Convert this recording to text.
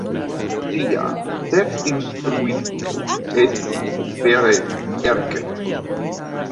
Ŝia ĉefinstruisto estis Ferenc Erkel.